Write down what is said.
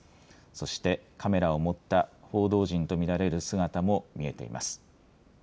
そしてカメラを持った報道陣と見られる姿も見えています。